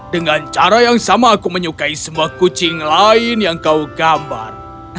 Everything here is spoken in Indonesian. dengan cara yang sama aku menyukai semua kucing lain yang kau gambar